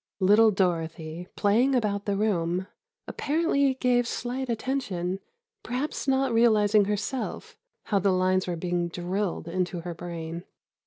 Little Dorothy, playing about the room, apparently gave slight attention, perhaps not realizing herself how the lines were being drilled into her brain.